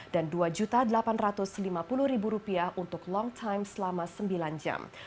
rp dua delapan ratus lima puluh untuk long time selama sembilan jam